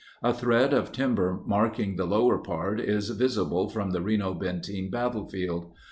A thread of timber marking the lower part is visible from the Reno Benteen Battle field.